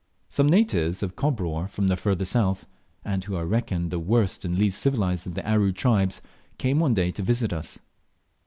Some natives of Kobror from further south, and who are reckoned the worst and least civilized of the Aru tribes, came one day to visit us.